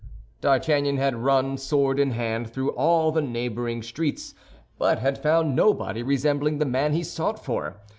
D'Artagnan had run, sword in hand, through all the neighboring streets, but had found nobody resembling the man he sought for.